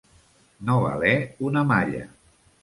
No valer una malla.